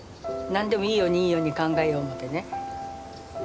何でもいいようにいいように考えよう思てね。